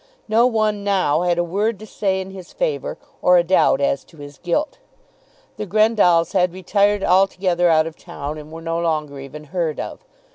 No one now had a word to say in his favour, or a doubt as to his guilt. The Grendalls had retired altogether out of town, and were no longer even heard of.